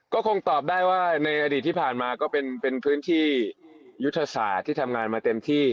ก็คงตอบได้ว่าในอดีตที่ผ่านมาก็เป็นพื้นที่ยุทธศาสตร์ที่ทำงานมาเต็มที่